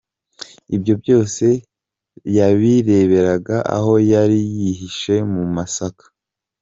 Ibyo byose yabireberaga aho yari yihishe mu masaka.